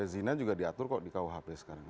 zina juga diatur kok di kuhp sekarang